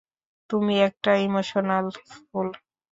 তুমি একটা ইমোশনাল ফুল।